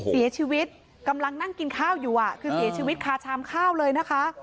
เสียชีวิตกำลังนั่งกินข้าวอยู่อ่ะคือเสียชีวิตคาชามข้าวเลยนะคะ